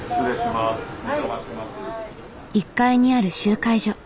１階にある集会所。